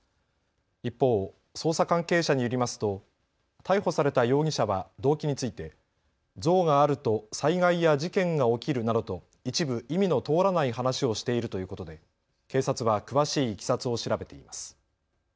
一方、捜査関係者によりますと逮捕された容疑者は動機について像があると災害や事件が起きるなどと一部、意味の通らない話をしているということで警察は詳しいいきさつを調べています。